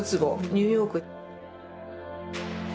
ニューヨーク。